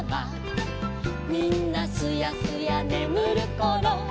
「みんなすやすやねむるころ」